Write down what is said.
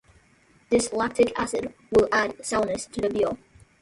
This lactic acid will add sourness to the beer.